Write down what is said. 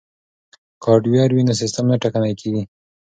که هارډویر وي نو سیستم نه ټکنی کیږي.